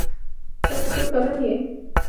تاسو څو کلن یې؟